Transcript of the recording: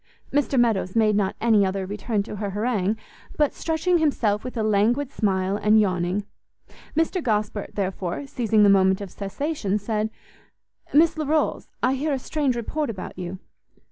Mr Meadows made not any other return to her harangue, but stretching himself with a languid smile, and yawning: Mr Gosport, therefore, seizing the moment of cessation, said, "Miss Larolles, I hear a strange report about you."